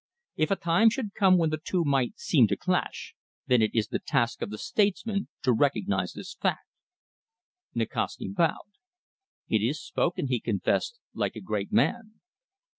If a time should come when the two might seem to clash, then it is the task of the statesman to recognise this fact." Nikasti bowed. "It is spoken," he confessed, "like a great man."